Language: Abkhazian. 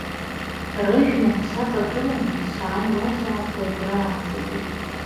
Рыжәҩан саҵагыланы сааиуазаап уажәраанӡагьы.